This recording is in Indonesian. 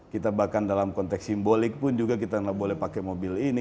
kita bahkan dalam konteks simbolik pun juga kita tidak boleh pakai mobil ini